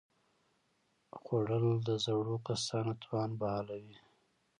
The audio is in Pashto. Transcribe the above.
خوړل د زړو کسانو توان بحالوي